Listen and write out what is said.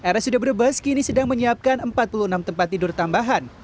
rsud brebes kini sedang menyiapkan empat puluh enam tempat tidur tambahan